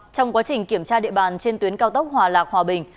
trong quá trình kiểm tra địa bàn trên tuyến cao tốc hòa lạc hòa bình